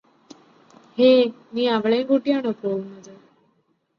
hey നീ അവളേം കൂട്ടിയാണോ പോവുന്നത്